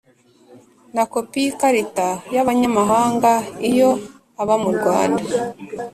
na kopi y’ikarita y’abanyamahanga iyo aba mu rwanda